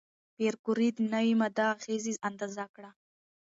پېیر کوري د نوې ماده اغېزې اندازه کړه.